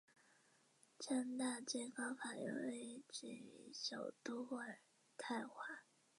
加拿大最高法院位置于首都渥太华。